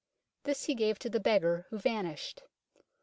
This he gave to the beggar, who vanished.